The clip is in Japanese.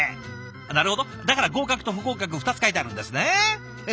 なるほどだから合格と不合格２つ書いてあるんですねうん！